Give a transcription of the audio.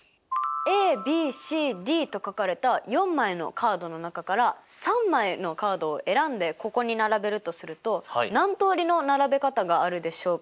ＡＢＣＤと書かれた４枚のカードの中から３枚のカードを選んでここに並べるとすると何通りの並べ方があるでしょうか？